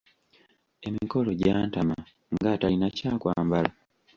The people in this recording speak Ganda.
Emikolo gyantama ng’atalina kya kwambala.